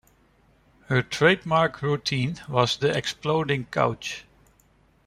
Her trademark routine was "the exploding couch".